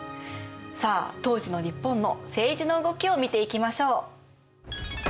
さあ当時の日本の政治の動きを見ていきましょう。